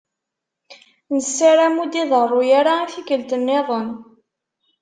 Nessaram ur d-iḍeṛṛu ara i tikkelt-nniḍen.